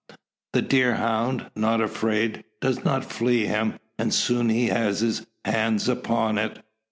The deer hound, not afraid, does not flee him; and soon he has his hands upon it.